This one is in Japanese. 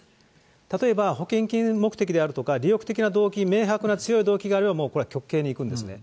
例えば保険金目的であるとか、利欲的な動機、明白な強い動機があれば、もうこれ、極刑にいくんですね。